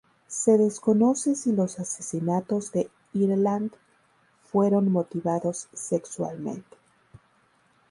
Se desconoce si los asesinatos de Ireland fueron motivados sexualmente.